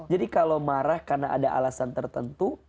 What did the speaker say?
jadi kalau marah karena ada alasan tertentu